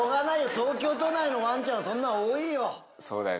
東京都内のワンちゃんはそんなん多いよ。